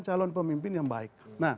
calon pemimpin yang baik